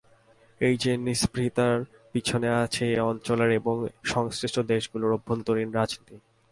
এই নিস্পৃহতার পেছনে আছে এ অঞ্চলের এবং সংশ্লিষ্ট দেশগুলোর অভ্যন্তরীণ রাজনীতি।